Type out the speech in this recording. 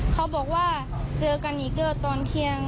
เขาบอกว่าเจอกันอีกก็ตอนเที่ยง